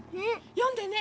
よんでね！